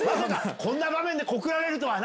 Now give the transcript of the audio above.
こんな場面で告られるとはな。